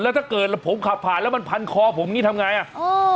แล้วถ้าเกิดผมขับผ่านแล้วมันพันคอผมนี้ทำอย่างไร